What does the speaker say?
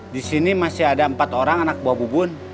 di sini masih ada empat orang anak buah bubun